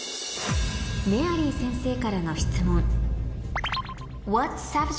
メアリー先生からの質問